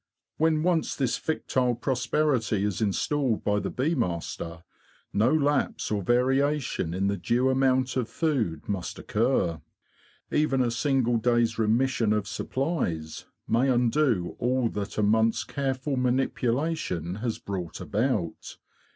When once this fictile prosperity is installed by the bee master, no lapse or variation in the due amount of food must occur. Even a single day's remission of supplies may undo all that a month's careful manipulation has brought about.